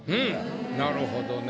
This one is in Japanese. なるほどね。